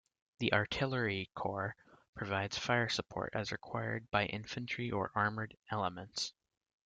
The Artillery Corps provides fire support as required by infantry or armoured elements.